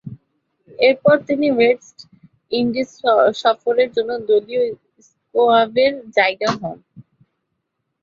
এরপর তিনি West Indies সফরের জন্য দলীয় স্কোয়াডের জায়গা হন।